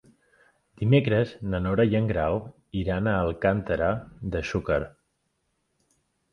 Dimecres na Nora i en Grau iran a Alcàntera de Xúquer.